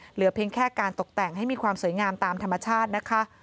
เหลือเพียงแค่การตกแต่งให้มีความสวยงามตามธรรมชาตินะคะ